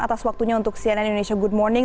atas waktunya untuk cnn indonesia good morning